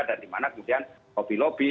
dan di mana kemudian hobi hobi